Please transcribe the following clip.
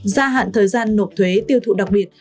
gia hạn thời gian nộp thuế tiêu thụ đặc biệt